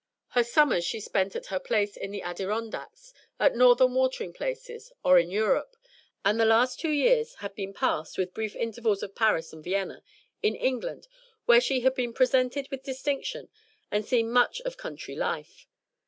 Her summers she spent at her place in the Adirondacks, at Northern watering places, or in Europe; and the last two years had been passed, with brief intervals of Paris and Vienna, in England, where she had been presented with distinction and seen much of country life.